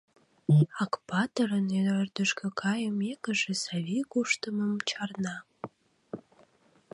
Акпатырын ӧрдыжкӧ кайымекыже, Савий куштымым чарна.